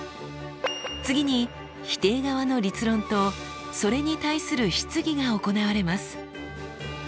次に否定側の立論とそれに対する質疑が行われます。